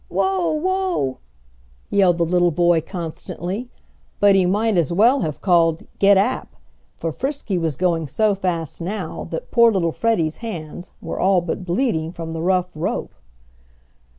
"Whoa, whoa!" yelled the little boy constantly, but he might as well have called "Get app," for Frisky was going so fast now that poor little Freddie's hands were all but bleeding from the rough rope.